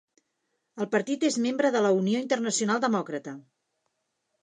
El partit és membre de la Unió Internacional Demòcrata.